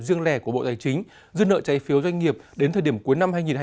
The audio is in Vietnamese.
riêng lẻ của bộ tài chính dư nợ trái phiếu doanh nghiệp đến thời điểm cuối năm hai nghìn hai mươi ba